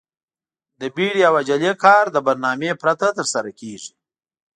د بيړې او عجلې کار له برنامې پرته ترسره کېږي.